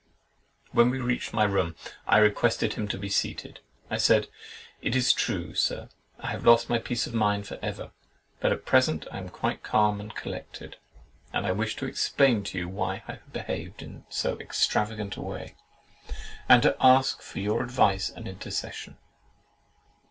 When we reached my room, I requested him to be seated. I said, "It is true, Sir, I have lost my peace of mind for ever, but at present I am quite calm and collected, and I wish to explain to you why I have behaved in so extravagant a way, and to ask for your advice and intercession."